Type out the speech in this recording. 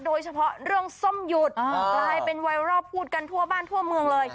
โดยเฉพาะเรื่องส้มหยุดกลายเป็นไวรัลพูดกันทั่วบ้านทั่วเมืองเลย